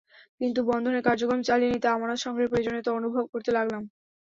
কিন্তু বন্ধনের কার্যক্রম চালিয়ে নিতে আমানত সংগ্রহের প্রয়োজনীয়তা অনুভব করতে লাগলাম।